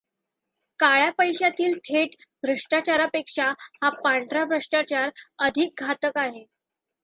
काळ्या पैशातील थेट भ्रष्टाचारापेक्षा हा पांढरा भ्रष्टाचार अधिक घातक आहे.